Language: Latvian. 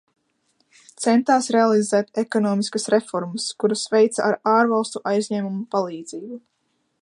Centās realizēt ekonomiskas reformas, kuras veica ar ārvalstu aizņēmumu palīdzību.